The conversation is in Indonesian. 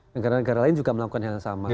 negara negara lain juga melakukan hal yang sama